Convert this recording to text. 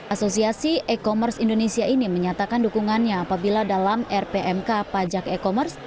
asosiasi e commerce indonesia ini menyatakan dukungannya apabila dalam rpmk pajak e commerce